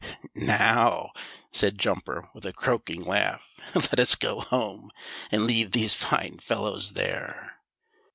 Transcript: "Now," said Jumper, with a croaking laugh, "let us go home and leave these fine fellows there."